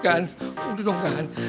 gan udah dong gan